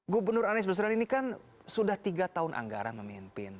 gubernur anies baswedan ini kan sudah tiga tahun anggaran memimpin